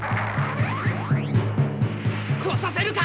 来させるか！